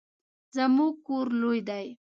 زموږ کور لوی دی